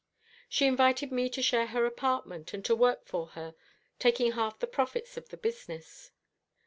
She invited me to share her apartment, and to work for her, taking half the profits of the business.